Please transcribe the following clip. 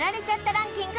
ランキング